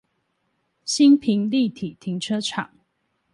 新平立體停車場